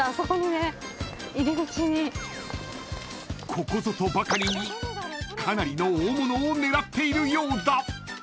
［ここぞとばかりにかなりの大物を狙っているようだ］